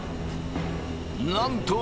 なんと！